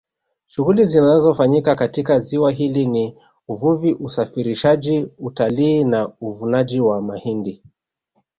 Shughuli zinazofanyika katika ziwa hili ni uvuvi usafirishaji utalii na uvunaji wa maji